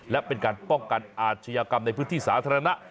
และเป็นการป้องกันอาชญากรรมในพื้นที่สาธารณะ